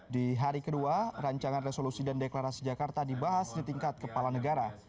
di hari kedua rancangan resolusi dan deklarasi jakarta dibahas di tingkat kepala negara